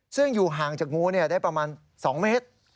ซึ่งอยู่ห่างจากงูได้ประมาณ๒เมตร